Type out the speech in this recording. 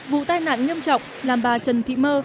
vụ tai nạn nghiêm trọng làm bà trần thị mơ